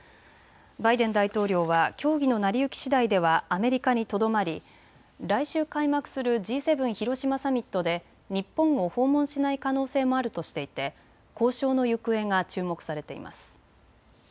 バイデン大統領は協議の成り行きしだいではアメリカにとどまり来週開幕するＧ７広島サミットで日本を訪問しない可能性もあるとしていて交渉の行方が注目されています。